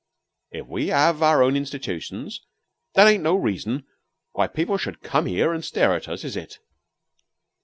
"If we 'have our own institutions, that ain't no reason why people should come 'ere and stare at us, his it?"